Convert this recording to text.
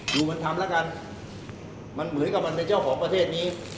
ดูมันทำแล้วกันมันเหมือนกับมันเป็นเจ้าของประเทศนี้